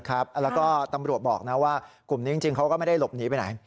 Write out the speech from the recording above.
แล้วก็ตำรวจบอกนะว่ากลุ่มนี้จริงเขาก็ไม่ได้หลบหนีไปไหน